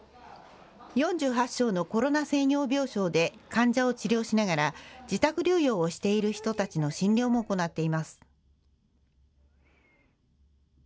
４８床のコロナ専用病床で患者を治療しながら自宅療養をしている人たちの診療も行っています。